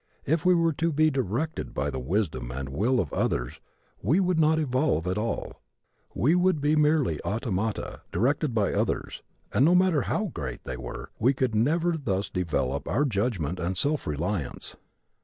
If we were to be directed by the wisdom and will of others we would not evolve at all. We would be merely automata directed by others, and no matter how great they were we could never thus develop our judgment and self reliance.